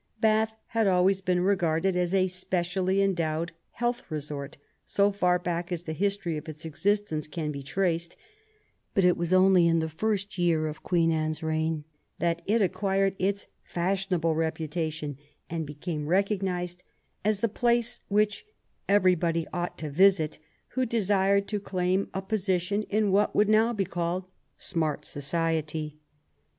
Bath had always been regarded as a specially endowed health resort so far back as the history of its existence can be traced, but it was only in the first year of Queen Anne's reign that it acquired its fashionable reputation and became recognized as the place which everybody ought to visit who desired to claim a position in what would now be called smart society.